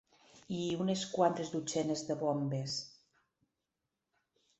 ...i unes quantes dotzenes de bombes